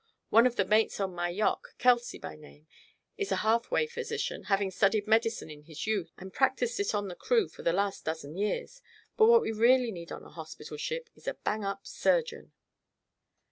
"One of the mates on my yacht, Kelsey by name, is a half way physician, having studied medicine in his youth and practiced it on the crew for the last dozen years; but what we really need on a hospital ship is a bang up surgeon."